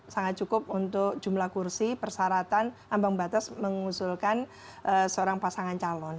sangat cukup untuk jumlah kursi persyaratan ambang batas mengusulkan seorang pasangan calon